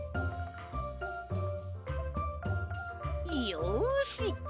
よし。